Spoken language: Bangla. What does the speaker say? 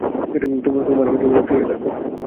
তোমার রক্ষী হয়ে থাকব।